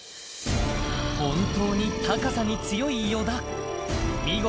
本当に高さに強い与田見事